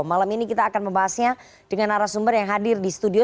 malam ini kita akan membahasnya dengan arah sumber yang hadir di studio